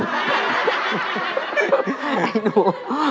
ไอ้หนู